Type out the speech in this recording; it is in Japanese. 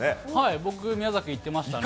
僕、宮崎行ってましたね。